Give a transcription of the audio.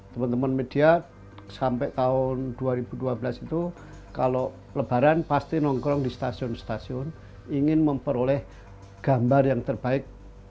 teman teman media sampai tahun dua ribu dua belas itu kalau lebaran pasti nongkrong di stasiun stasiun ingin memperoleh gambar yang terbaik